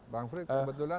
bang frits kebetulan saya tadi